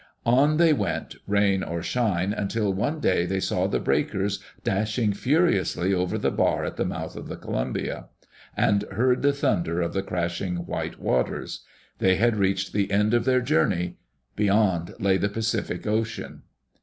On they went, rain or shine, until one day they saw the breakers dashing furiously over the bar at the mouth of the Columbia, and heard the thunder of the crashing white waters. They had reached the end of their journey. Beyond lay the Pacific Ocean.